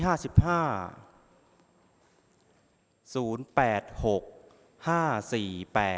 ออกรวมที่๕ครั้งที่๕๓